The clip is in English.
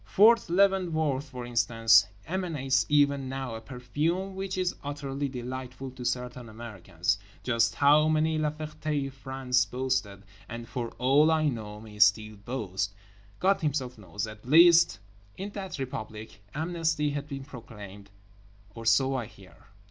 Fort Leavenworth, for instance, emanates even now a perfume which is utterly delightful to certain Americans. Just how many La Fertés France boasted (and for all I know may still boast) God Himself knows. At least, in that Republic, amnesty has been proclaimed, or so I hear.